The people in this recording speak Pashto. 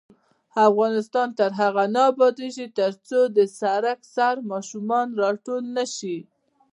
افغانستان تر هغو نه ابادیږي، ترڅو د سړک سر ماشومان راټول نشي.